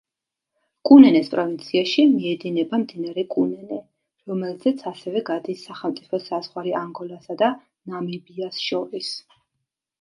კუნენეს პროვინციაში მიედინება მდინარე კუნენე, რომელზეც ასევე გადის სახელმწიფო საზღვარი ანგოლასა და ნამიბიას შორის.